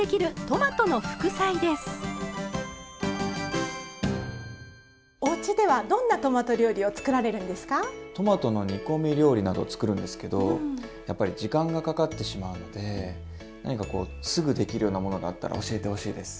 トマトの煮込み料理など作るんですけどやっぱり時間がかかってしまうので何かこうすぐできるようなものがあったら教えてほしいです。